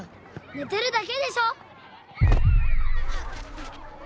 寝てるだけでしょ！